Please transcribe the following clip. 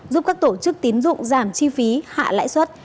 giúp các tổ chức tín dụng giảm chi phí hạ lãi suất